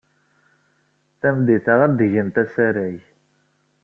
Tameddit-a, ad d-gent asarag.